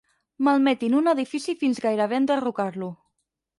Malmetin un edifici fins gairebé enderrocar-lo.